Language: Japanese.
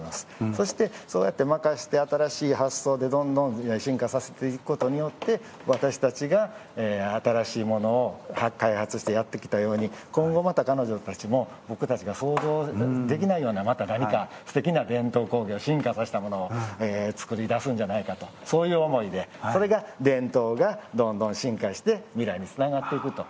そして、そうやって任せて新しい発想で、どんどん進化させていくことによって私たちが、新しいものを開発してやってきたように今後、また彼女たちも僕たちが想像できないような何か、すてきな伝統工芸を進化させたものを作り出すんじゃないかとそういう思いでそれが、伝統がどんどん進化して未来につながっていくと。